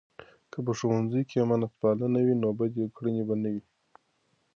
که په ښوونځۍ کې امانتپالنه وي، نو بدې کړنې به نه وي.